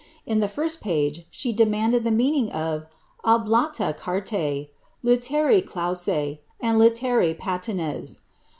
In the first page, she demanded the meaning of obkUa carta^ lUtercB clausa^ and litiera patentes.